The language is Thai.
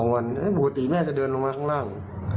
๒วันเนี่ยบูติแม่จะเดินลงมาข้างล่าง